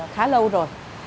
khá lâu rồi